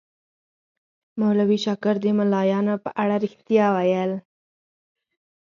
مولوي شاکر د ملایانو په اړه ریښتیا ویل.